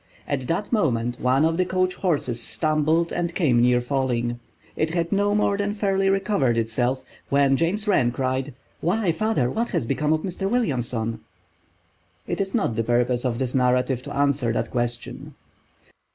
At that moment one of the coach horses stumbled and came near falling. It had no more than fairly recovered itself when James Wren cried: "Why, father, what has become of Mr. Williamson?" It is not the purpose of this narrative to answer that question.